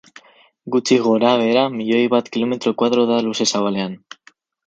Gutxi gorabehera, milioi bat kilometro koadro da luze-zabalean.